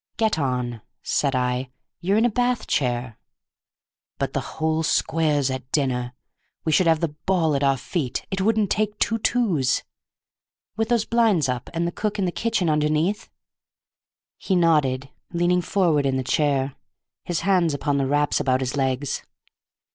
"Get on," said I. "You're in a bath chair." "But the whole square's at dinner! We should have the ball at our feet. It wouldn't take two twos!" "With those blinds up, and the cook in the kitchen underneath?" He nodded, leaning forward in the chair, his hands upon the wraps about his legs.